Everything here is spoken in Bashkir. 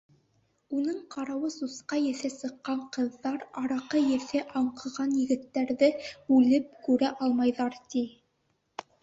Уның ҡарауы сусҡа еҫе сыҡҡан ҡыҙҙар араҡы еҫе аңҡыған егеттәрҙе үлеп күрә алмайҙар, ти.